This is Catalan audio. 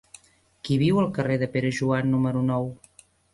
Qui viu al carrer de Pere Joan número nou?